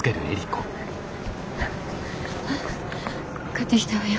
買ってきたわよ。